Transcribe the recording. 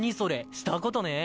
したことねぇ。